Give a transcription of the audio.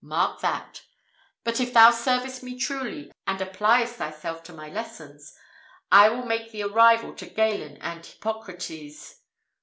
mark that! But if thou servest me truly, and appliest thyself to my lessons, I will make thee a rival to Galen and Hippocrates.'